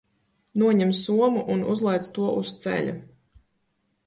Noņem somu un uzliec to uz ceļa.